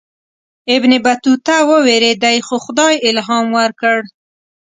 ابن بطوطه ووېرېدی خو خدای الهام ورکړ.